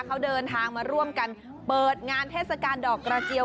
เขาเดินทางมาร่วมกันเปิดงานเทศกาลดอกกระเจียว